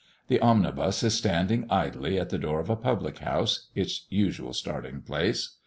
The omnibus is standing idly at the door of a public house, its usual starting place.